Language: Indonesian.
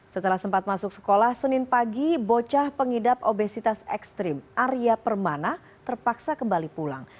setelah sempat masuk sekolah senin pagi bocah pengidap obesitas ekstrim arya permana terpaksa kembali pulang